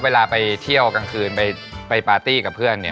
เวลาไปเที่ยวกลางคืนไปปาร์ตี้กับเพื่อน